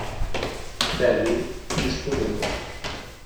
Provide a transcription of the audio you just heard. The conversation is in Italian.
Belli" di Spoleto.